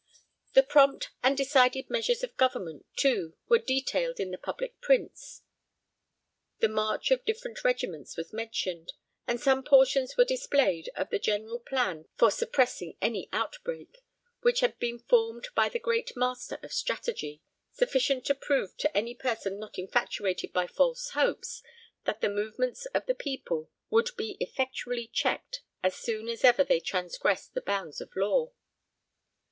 The prompt and decided measures of government, too, were detailed in the public prints; the march of different regiments was mentioned; and some portions were displayed of the general plan for suppressing any outbreak, which had been formed by the great master of strategy, sufficient to prove to any person not infatuated by false hopes, that the movements of the people would be effectually checked as soon as ever they transgressed the bounds of law.